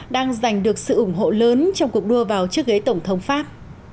đang giành được sự ủng hộ lớn trong cuộc đua vào chiếc ghế tổng thống pháp